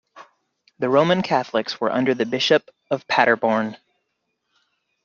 The Roman Catholics were under the bishop of Paderborn.